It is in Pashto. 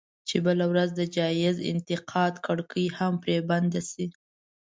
چې بله ورځ د جايز انتقاد کړکۍ هم پرې بنده شي.